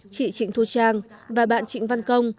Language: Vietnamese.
chị trịnh thu trang và bạn trịnh văn công